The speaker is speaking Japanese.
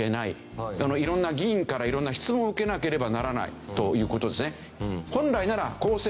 色んな議員から色んな質問を受けなければならないという事ですね。